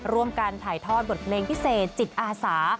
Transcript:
ร่วมการถ่ายทอดบทเพลงพิเศษจิตอาสา